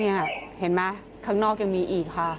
นี่เห็นไหมข้างนอกยังมีอีกค่ะ